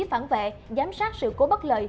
phản vệ giám sát sự cố bất lợi